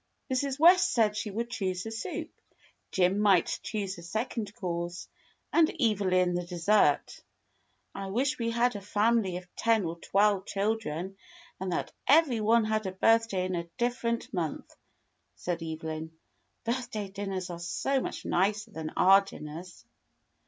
Mrs. West said she would choose the soup, Jim might choose the second course, and Evelyn the des sert. "I wish we had a family of ten or twelve children, and that every one had a birthday in a different month," said Evelyn. "Birthday dinners are so much nicer than other dinners."